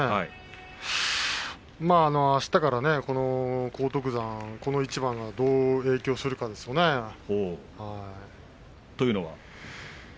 あしたから荒篤山はこの一番がどう影響するかですね。というのは？